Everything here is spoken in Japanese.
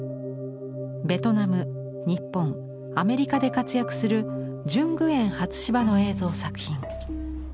ベトナム日本アメリカで活躍するジュン・グエン＝ハツシバの映像作品。